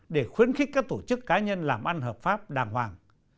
để khuyến khích các tổ chức cá nhân làm ăn hợp pháp đàng hoàng